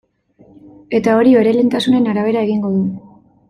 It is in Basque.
Eta hori bere lehentasunen arabera egingo du.